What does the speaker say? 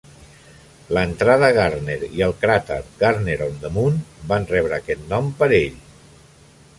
L'entrada Gardner i el cràter "Gardner on the Moon" van rebre aquest nom per ell.